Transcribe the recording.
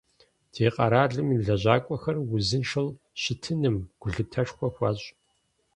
Ди къэралым и лэжьакӀуэхэр узыншэу щытыным гулъытэшхуэ хуащӀ.